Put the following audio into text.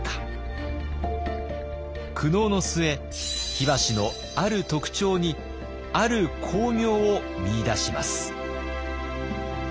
苦悩の末火箸のある特徴にある光明を見いだします。